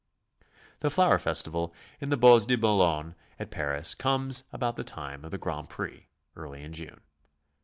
The flower festival in the Bois de Boulogne at Paris comes about the time of the Grand Prix, early in June.